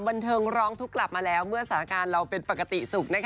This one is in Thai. บันเทิงร้องทุกข์กลับมาแล้วเมื่อสถานการณ์เราเป็นปกติสุข